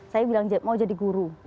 saya bilang mau jadi guru